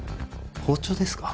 包丁ですか？